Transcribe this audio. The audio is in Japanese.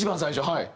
はい。